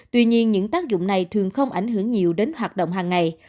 tuy nhiên những tác dụng này thường không ảnh hưởng nhiều đến hoạt động hàng ngày